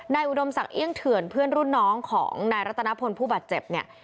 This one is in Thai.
อุดมศักดิงเถื่อนเพื่อนรุ่นน้องของนายรัตนพลผู้บาดเจ็บเนี่ย